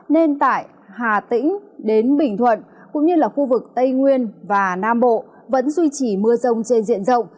nên tại hà tĩnh đến bình thuận cũng như là khu vực tây nguyên và nam bộ vẫn duy trì mưa rông trên diện rộng